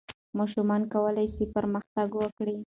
ماشومان کولای سي پرمختګ وکړي.